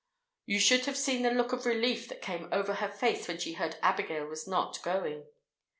You should have seen the look of relief that came over her face when she heard Abigail was not going.